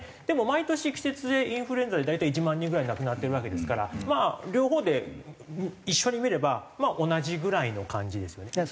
でも毎年季節性インフルエンザで大体１万人ぐらい亡くなってるわけですから両方で一緒に見ればまあ同じぐらいの感じですよね。